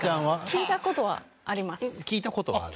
聞いた事はあります。